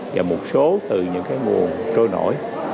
và một số từ những nguồn trôi nổi